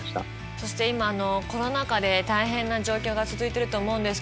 そして今コロナ禍で大変な状況が続いてると思うんですけども。